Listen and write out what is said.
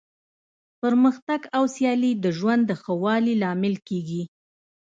پرمختګ او سیالي د ژوند د ښه والي لامل کیږي.